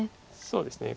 そうですね